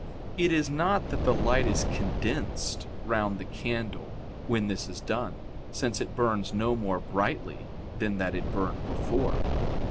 It is not that the light is condensed round the candle when this is done, since it burns no more brightly then than it burned before.